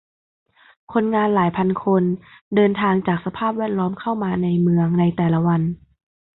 คนงานหลายพันคนเดินทางจากสภาพแวดล้อมเข้ามาในเมืองในแต่ละวัน